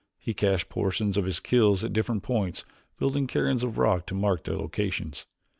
He cached portions of his kills at different points, building cairns of rock to mark their locations.